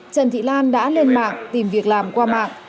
trần thị lan đã lên mạng tìm việc làm qua mạng